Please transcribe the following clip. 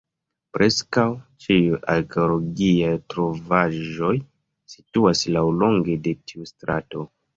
Preskaŭ ĉiuj arkeologiaj trovaĵoj situas laŭlonge de tiu strato.